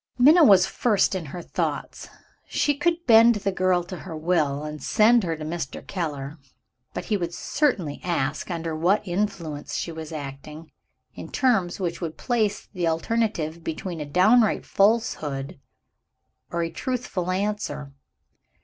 Minna was first in her thoughts. She could bend the girl to her will, and send her to Mr. Keller. But he would certainly ask, under what influence she was acting, in terms which would place the alternative between a downright falsehood, or a truthful answer.